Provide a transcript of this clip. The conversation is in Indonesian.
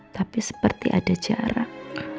tapi seperti ada jarak